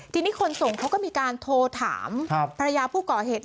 ทีนี้คนส่งเขาก็มีการโทรถามภรรยาผู้ก่อเหตุ